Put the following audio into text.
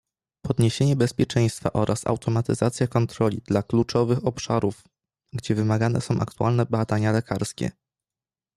Podniesienie bezpieczeństwa oraz automatyzacja kontroli dla kluczowych obszarów, gdzie wymagane są aktualne badania lekarskie